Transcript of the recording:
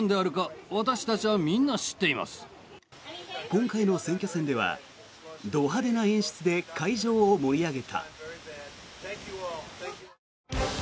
今回の選挙戦ではど派手な演出で会場を盛り上げた。